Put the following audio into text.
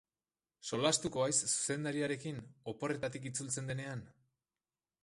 Solastuko haiz zuzendariarekin, oporretatik itzultzen denean?